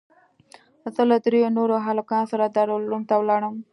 زه له درېو نورو هلکانو سره دارالعلوم ته ولاړم.